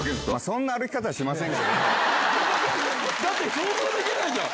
だって想像できないじゃん！